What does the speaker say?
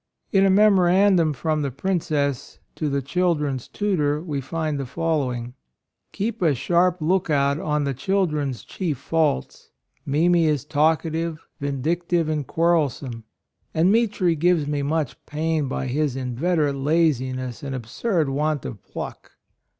In a memorandum from the Princess to the children's tutor we find the following: "Keep a sharp lookout on the children's chief faults. Mimi is talkative, vindictive and quarrelsome ; and Mitri gives me much pain by his inveterate laziness and ab surd want of pluck."